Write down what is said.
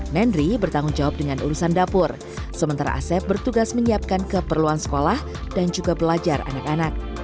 mendri bertanggung jawab dengan urusan dapur sementara asep bertugas menyiapkan keperluan sekolah dan juga belajar anak anak